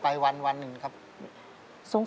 แต่ที่แม่ก็รักลูกมากทั้งสองคน